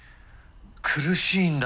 苦しいんだ。